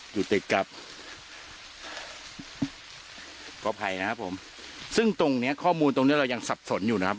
อยู่ติดกับขออภัยนะครับผมซึ่งตรงเนี้ยข้อมูลตรงเนี้ยเรายังสับสนอยู่นะครับ